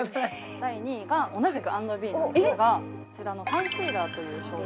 第２位が同じく＆ｂｅなんですがこちらのファンシーラーという商品